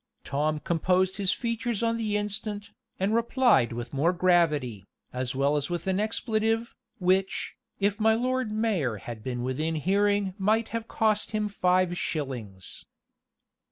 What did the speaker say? Tom composed his features on the instant, and replied with more gravity, as well as with an expletive, which, if my Lord Mayor had been within hearing might have cost him five shillings.